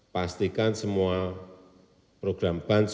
pastikan semua program bansos